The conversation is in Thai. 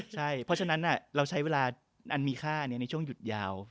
ใช่พอฉะนั้นน่ะเราใช้เวลาอันมีค่าอันนี้ในช่วงหยุดยาว